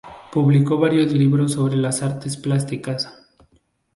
Publicó varios libros sobre las artes plásticas.